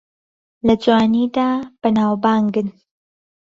لە جوانیدا بەناوبانگن